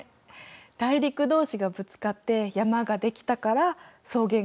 大陸どうしがぶつかって山が出来たから草原が出来た。